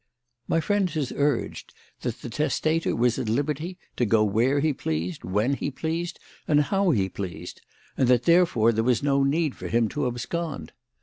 My friend has urged that the testator was at liberty to go where he pleased, when he pleased, and how he pleased; and that therefore there was no need for him to abscond.